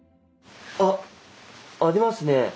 あっ！ありますね。